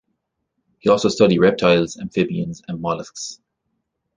He also studied reptiles, amphibians, and molluscs.